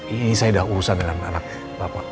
ini saya sudah urusan dengan anak bapak